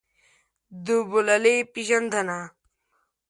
د بوللې پېژندنه.